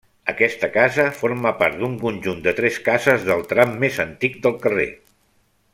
Aquesta casa forma part d'un conjunt de tres cases del tram més antic del carrer.